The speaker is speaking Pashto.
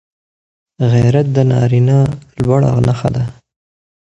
غیرت د نارینه لوړه نښه ده